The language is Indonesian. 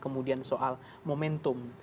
kemudian soal momentum